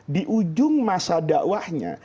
di ujung masa dakwahnya